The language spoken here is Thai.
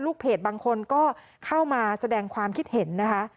เพจบางคนก็เข้ามาแสดงความคิดเห็นนะคะ